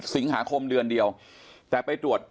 สิงหาคมเดือนเดียวแต่ไปตรวจ